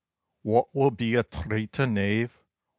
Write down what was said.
Wha will be a traitor knave?